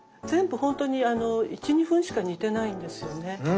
全部本当に１２分しか煮てないんですよね。